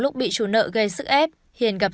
lúc bị chủ nợ gây sức ép hiền gặp